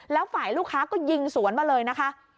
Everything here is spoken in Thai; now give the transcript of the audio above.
แล้วฝ่ายลูกค้าก็ยิงสวนมาเลยนะคะ